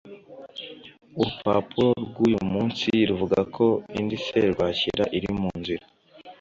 urupapuro rwuyu munsi ruvuga ko indi serwakira iri mu nzira